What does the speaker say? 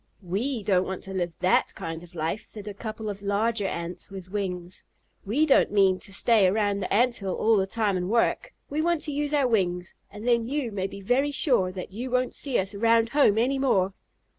"We don't want to live that kind of life," said a couple of larger Ants with wings. "We don't mean to stay around the Ant hill all the time and work. We want to use our wings, and then you may be very sure that you won't see us around home any more."